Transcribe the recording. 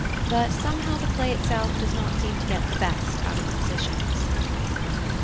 But somehow the play itself does not seem to get the best out of musicians.